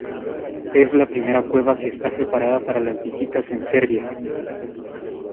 Es la primera cueva que está preparada para las visitas en Serbia.